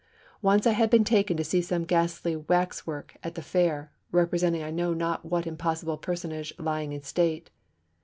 Once I had been taken to see some ghastly waxwork at the Fair, representing I know not what impossible personage lying in state.